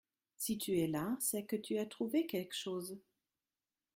Si tu es là, c’est que tu as trouvé quelque chose